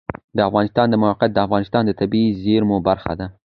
د افغانستان د موقعیت د افغانستان د طبیعي زیرمو برخه ده.